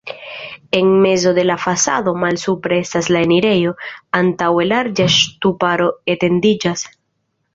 En mezo de la fasado malsupre estas la enirejo, antaŭe larĝa ŝtuparo etendiĝas.